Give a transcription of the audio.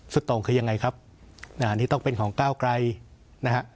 สุดโต่งคือยังไงครับนี่ต้องเป็นของก้าวไกลนะครับ